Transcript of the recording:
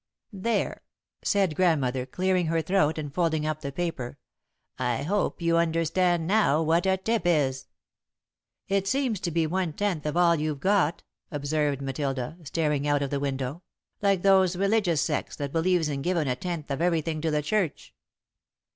'" "There," said Grandmother, clearing her throat and folding up the paper. "I hope you understand now what a tip is." "It seems to be one tenth of all you've got," observed Matilda, staring out of the window, "like those religious sects that believes in givin' a tenth of everything to the church."